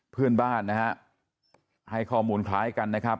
เพื่อนบ้านนะฮะให้ข้อมูลคล้ายกันนะครับ